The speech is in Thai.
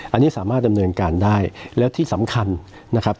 อันนี้สามารถดำเนินการได้แล้วที่สำคัญนะครับ